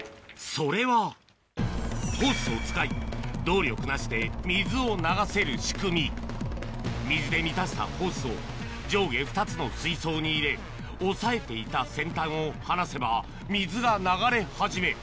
それはホースを使い動力なしで水を流せる仕組み水で満たしたホースを上下２つの水槽に入れ押さえていた先端を離せば水が流れ始め